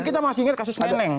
kita masih ingat kasus neneng